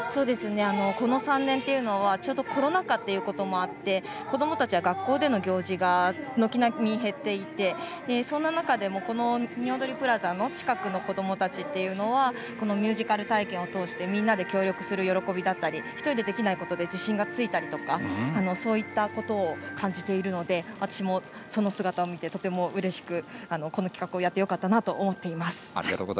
この３年はコロナ禍ということもあって子どもたちは学校での行事が軒並み減っていて、そんな中でにおどりプラザの近くの子どもたちというのはこのミュージカル体験を通してみんなで協力する喜びだったり自信だったり、そういったものを感じているので私もその姿を見てとてもうれしくこの企画をやってよかったなと思っています。